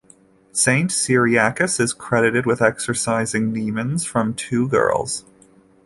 Saint Cyriacus is credited with exorcizing demons from two girls.